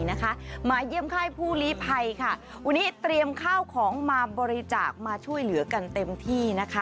หยี่ยมค่ายผู้หลีพัยวันนี้เตรียมข้าวของมาบริจาคมาช่วยเหลือกันเต็มที่